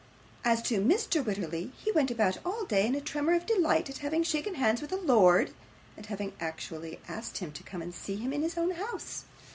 As to Mr. Wititterly, he went about all day in a tremor of delight at having shaken hands with a lord, and having actually asked him to come and see him in his own house.